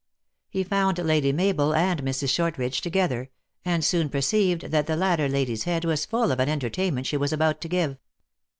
He found Lady Mabel and Mrs. Shortridge together, and soon perceived that the latter lady s head was full of an entertainment she was about to give.